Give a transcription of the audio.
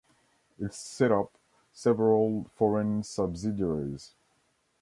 It set up several foreign subsidiaries.